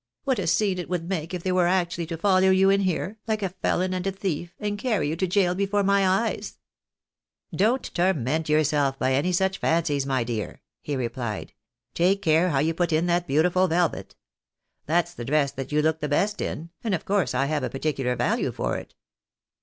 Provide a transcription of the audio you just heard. What a scene it would make if they were actually to follow you in here, like a felon and a thief, and carry you to gaol before my eyes !"" Don't torment yourself by any such fancies, my dear," he replied. " Take care how you put in that beautiful velvet. That's the dress that you look the best in, and of course I have a particu lar value for it."